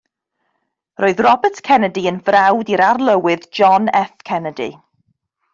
Roedd Robert Kennedy yn frawd i'r Arlywydd John F. Kennedy.